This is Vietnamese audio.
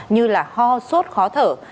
như ho sốt khó thở